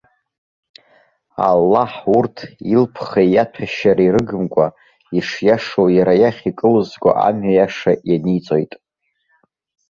Аллаҳ урҭ, илԥхеи иаҭәашьареи рыгымкәа, ишиашоу иара иахь икылызго амҩа иаша ианиҵоит.